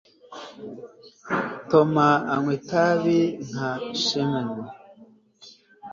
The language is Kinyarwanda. tom anywa itabi nka chimney